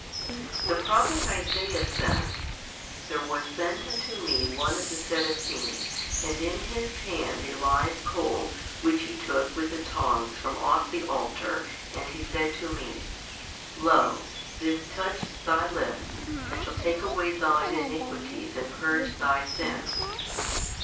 The Prophet Isaiah says, There was sent unto me one of the Seraphim and in his hand a live coal which he took with the tongs from off the altar and he said to me, Lo this touched thy lips and shall take away thine iniquities and purge thy sins.